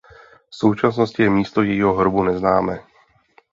V současnosti je místo jejího hrobu neznámé.